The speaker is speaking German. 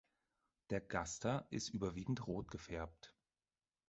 Der Gaster ist überwiegend rot gefärbt.